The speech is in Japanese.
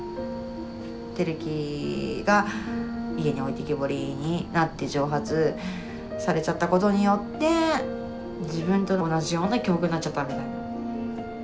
輝希が家に置いてけぼりになって蒸発されちゃったことによって自分と同じような境遇になっちゃったみたいな。